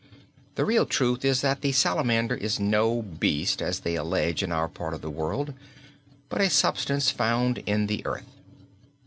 The real truth is that the Salamander is no beast as they allege in our part of the world, but is a substance found in the earth.